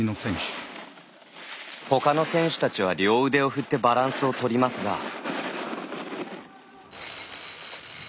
ほかの選手たちは両腕を振ってバランスを取りますが。